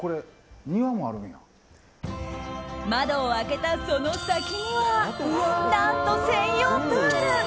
窓を開けた、その先には何と専用プール！